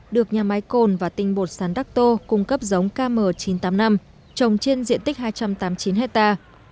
được nhà máy cồn và tinh bột sắn đắc tô cung cấp giống km chín trăm tám mươi năm trồng trên diện tích hai trăm tám mươi chín hectare